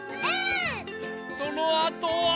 そのあとは。